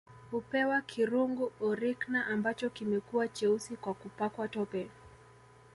Hupewa kirungu Orikna ambacho kimekuwa cheusi kwa kupakwa tope